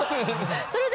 それで。